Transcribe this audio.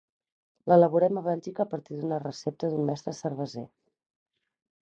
L'elaborem a Bèlgica a partir d'una recepta d'un mestre cerveser.